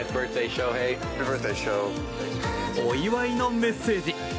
お祝いのメッセージ。